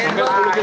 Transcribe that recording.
pada kondisi kering